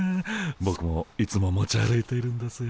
ボクもいつも持ち歩いているんですよ。